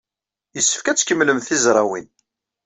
Yessefk ad tkemmlemt tizrawin.